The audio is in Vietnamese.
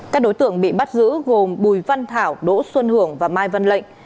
các đối tượng bị bắt giữ gồm bùi văn thảo đỗ xuân hưởng và mai văn lệnh